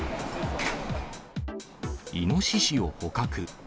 イノシシを捕獲。